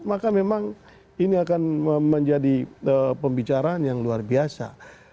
maka memang ini akan menjadi pembicaraan yang luar biasa